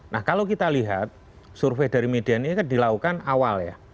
nah kalau kita lihat survei dari media ini kan dilakukan awal ya